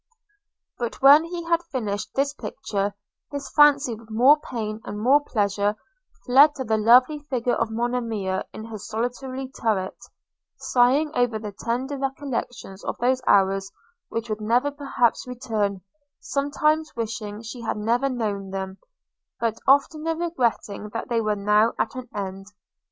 But when he had finished this picture, his fancy, with more pain and more pleasure, fled to the lovely figure of his Monimia in her solitary turret, sighing over the tender recollection of those hours which would never perhaps return, sometimes wishing she had never known them, but oftener regretting that they were now at an end.